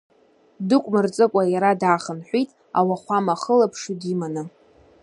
Дук мырҵыкәа иара даахынҳәит, ауахәама ахылаԥшҩы диманы.